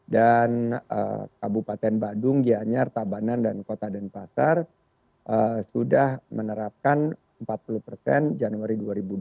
dan kabupaten badung gianyar tabanan dan kota denpasar sudah menerapkan empat puluh januari dua ribu dua puluh empat